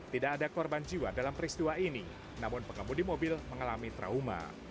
tidak ada korban jiwa dalam peristiwa ini namun pengemudi mobil mengalami trauma